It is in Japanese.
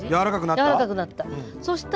柔らかくなった。